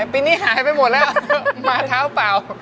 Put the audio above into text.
ปีนี้หายไปหมดแล้วมาเท้าเปล่า